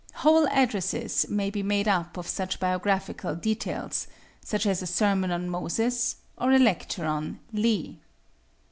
Whole addresses may be made up of such biographical details, such as a sermon on "Moses," or a lecture on "Lee."